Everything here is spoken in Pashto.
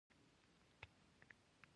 لومړۍ قوه د دولت مقننه قوه بلل کیږي.